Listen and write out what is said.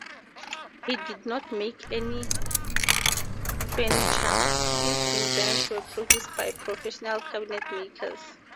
He did not make any furniture; his designs were produced by professional cabinet makers.